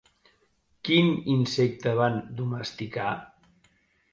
Quin insecte van domesticar?